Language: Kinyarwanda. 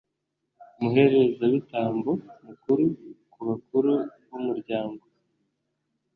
umuherezabitambo mukuru, ku bakuru b'umuryango